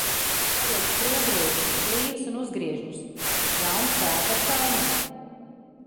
Padod skrūvgriezni, blīves un uzgriežņus! Jauna sēta ar kaimiņu.